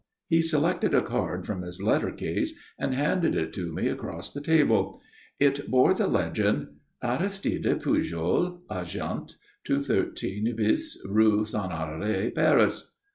He selected a card from his letter case and handed it to me across the table. It bore the legend: ARISTIDE PUJOL, Agent. 213 bis, Rue Saint Honoré, Paris.